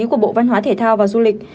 của bộ văn hóa thể thao và du lịch